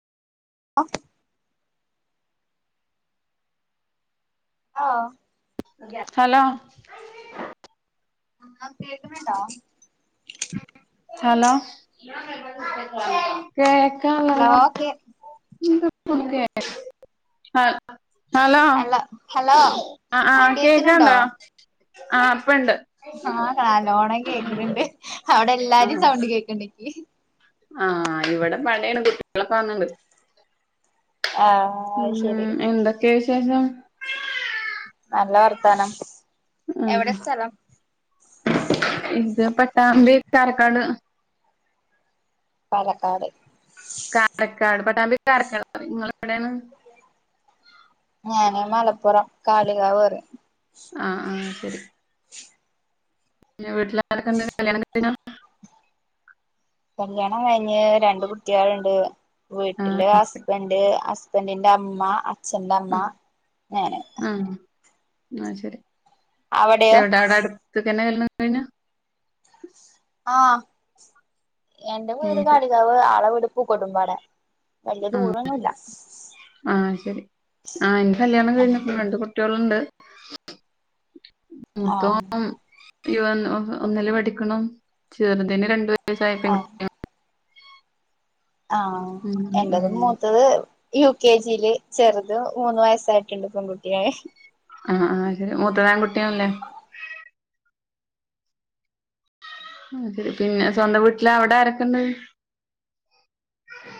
[unintelligible] ഓഹ് hello ആഹ് കേക്കണുണ്ടോ hello കേക്കാല്ലോ ഹലോ കേ എന്തു [unintelligible] ഹലോ ആഹ് ആ ആഹ് കേക്കുന്നുണ്ടോ കേക്കണ്ടോ ആഹ് ഇപ്പണ്ട് ആഹ് നല്ലോണം കേക്കണിണ്ട് അവിടെ എല്ലാരും സൗണ്ട് കേക്കണ്ടെനിക്ക് ആഹ് ഇവിടെ പണീണ്ട് കുട്ടികളൊക്കെ വന്നണ്ട് ആഹ് അത് ശരി ഉം എന്തൊക്കെയാ വിശേഷം നല്ല വർത്താനം ആ എവിടെ സ്ഥലം ഇത് പട്ടാമ്പി താരക്കാട് പാലക്കാട് കാരക്കാട് പട്ടാമ്പി കരക്കാട് നിങ്ങളെ എവിടെയാണ് ഞാന് മലപ്പുറം കാളികാവ് പറയും ആഹ് ആഹ് ശരി പിന്നെ വീട്ടില് ആരോക്കെ ഉണ്ട് കല്യാണം കഴിഞ്ഞൊ കല്യാണം കഴിഞ്ഞ് രണ്ട് കുട്ടികാളണ്ട് ആ വീട്ടില് ഹസ്ബന്ഡ് ഹസ് ബന്റിന്റെ അമ്മ അച്ഛന്റെ അമ്മ ഉം ഞാന് ഉം എന്നാശരി അവിടെയോ എവിട അവിട തക്കന്നെ കല്ല്യാണം കഴിഞ്ഞ ആഹ് എന്റെ ആ വീട് ശരി കടികാവ് അളവിട് പൂക്കൊടുംമ്പാടെ വല്ല്യ ദൂരൊന്നുല്ല ആഹ് ശരി ആഹ് എന്റെ കല്ല്യാണം കഴിഞ്ക്കുന്നു ആഹ് രണ്ട് കു കുട്ടികളുണ്ട് മൂത്തോത് ഇ ഒന്നില് പഠിക്കണു ചെറുതിന് രണ്ടു വയസായപ്പോ പെൺ ആഹ് ആഹ് ഉം ഉം എന്റതു മൂത്തത്. യു കെ ജിയില് ചെറുത് മൂന്ന് വയസ്സായിട്ടുണ്ട് പെൺകുട്ടിയെ ആഹ് ആഹ് ശരി മൂത്തതാൺകുട്ടിയല്ലേ. ആഹ് ശരി പിന്നെ സ്വന്തം വീട്ടില അവിടെ ആരൊക്കെ ഉണ്ട്